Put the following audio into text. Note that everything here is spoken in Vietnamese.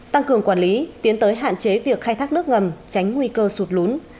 tăng cường quản lý tiến tới hạn chế việc khai thác nước ngầm tránh nguy cơ sụt lún